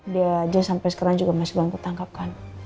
dia aja sampai sekarang juga masih banget tertangkap kan